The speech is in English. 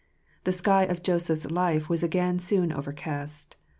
The sky of Joseph's life was again soon overcast.